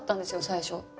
最初。